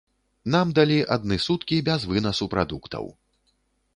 Нам далі адны суткі без вынасу прадуктаў.